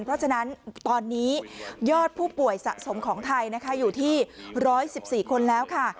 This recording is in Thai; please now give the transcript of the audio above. เพราะฉะนั้นตอนนี้ยอดผู้ป่วยสะสมของไทยนะคะอยู่ที่๑๑๔คนแล้วค่ะ